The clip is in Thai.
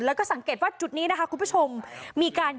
และก็จับกลุ่มฮามาสอีก๒๖คน